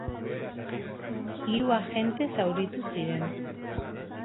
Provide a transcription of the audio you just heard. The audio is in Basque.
Hiru agente zauritu ziren.